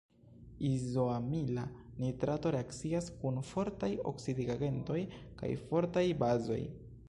Izoamila nitrato reakcias kun fortaj oksidigagentoj kaj fortaj bazoj.